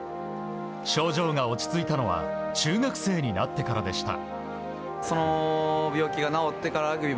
症状が落ち着いたのは中学生になってからでした。